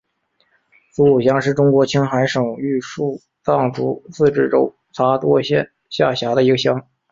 苏鲁乡是中国青海省玉树藏族自治州杂多县下辖的一个乡。